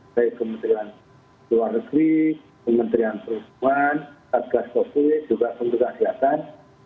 dari kementerian luar negeri kementerian perusuhan ketua sosial juga kementerian kesehatan